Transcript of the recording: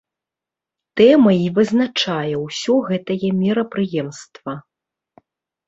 Тэма і вызначае ўсё гэтае мерапрыемства.